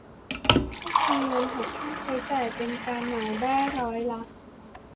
เพิ่มวงเงินหักค่าใช้จ่ายเป็นการเหมาได้ร้อยละ